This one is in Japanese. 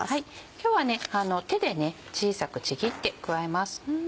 今日は手で小さくちぎって加えます。